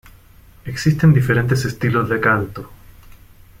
Existen diferentes estilos de canto.